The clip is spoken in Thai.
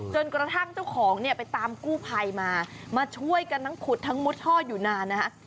กระทั่งเจ้าของเนี่ยไปตามกู้ภัยมามาช่วยกันทั้งขุดทั้งมุดท่ออยู่นานนะฮะ